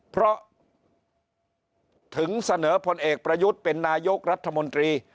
เพราะถึงเสนอพลเอกประยุทธ์เป็นนายกรัฐมนตรี